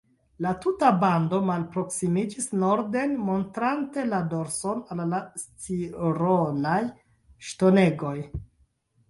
La tuta bando malproksimiĝis norden, montrante la dorson al la Scironaj ŝtonegoj.